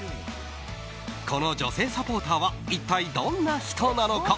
この女性サポーターは一体どんな人なのか？